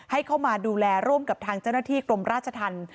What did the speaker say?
ให้เข้ามาดูแลร่วมกับทางเจ้าหน้าที่กรมราชธรรม